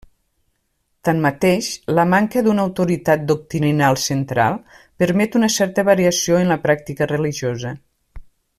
Tanmateix, la manca d'una autoritat doctrinal central, permet una certa variació en la pràctica religiosa.